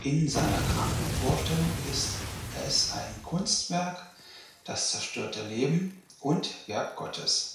In seiner kranken Vorstellung ist es ein Kunstwerk „Das zerstörte Leben“ und „Werk Gottes“.